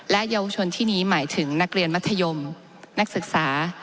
และเยาวชนที่นี้หมายถึงนักเรียนมัธยมนักศึกษา